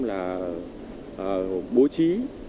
là bố trí